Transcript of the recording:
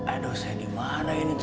aduh saya dimana ini teh